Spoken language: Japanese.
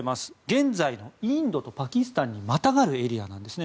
現在のインドとパキスタンにまたがるエリアなんですね。